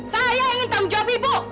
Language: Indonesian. saya ingin tanggung jawab ibu